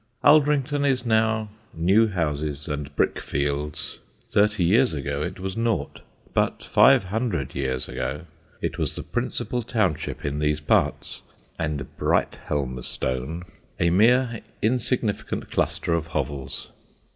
Aldrington is now new houses and brickfields. Thirty years ago it was naught. But five hundred years ago it was the principal township in these parts, and Brighthelmstone a mere insignificant cluster of hovels.